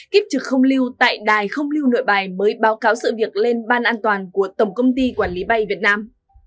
kiếp trực không lưu tại đài không lưu nội bài mới báo cáo sự việc lên ban an toàn của tổng công ty quản lý bay việt nam